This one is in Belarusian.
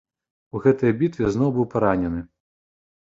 У гэтай бітве зноў быў паранены.